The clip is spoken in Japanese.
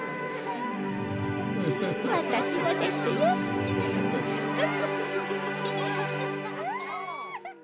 わたしもですよふふふ。